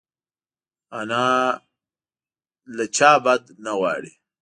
انا له چا بد نه غواړي